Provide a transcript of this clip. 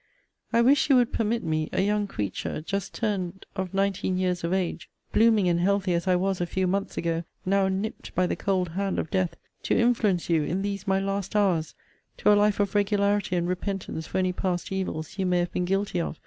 I wish you would permit me, a young creature, just turned of nineteen years of age, blooming and healthy as I was a few months ago, now nipt by the cold hand of death, to influence you, in these my last hours, to a life of regularity and repentance for any past evils you may have been guilty of.